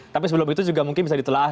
tapi sebelum itu juga mungkin bisa ditelah